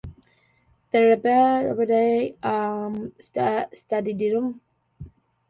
There are several large car parks around the stadium.